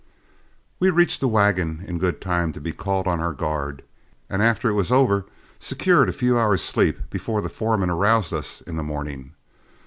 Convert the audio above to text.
We reached the wagon in good time to be called on our guard, and after it was over secured a few hours' sleep before the foreman aroused us in the morning.